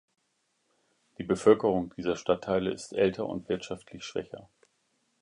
Die Bevölkerung dieser Stadtteile ist älter und wirtschaftlich schwächer.